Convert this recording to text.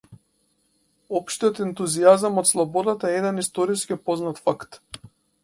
Општиот ентузијазам од слободата е еден историски познат факт.